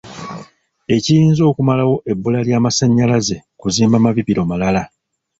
Ekiyinza okumalawo ebbula ly'amasanyalaze kuzimba mabibiro malala.